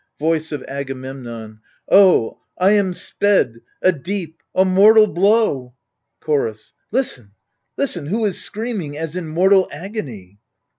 Voice of Agamemnon O I am sped — a deep, a mortal blow. Chorus Listen, listen ! who is screaming as in mortal agony?